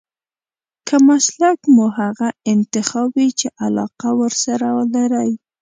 که مسلک مو هغه انتخاب وي چې علاقه ورسره لرئ.